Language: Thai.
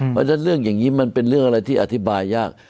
เพราะฉะนั้นเรื่องอย่างนี้มันเป็นเรื่องอะไรที่อธิบายยาก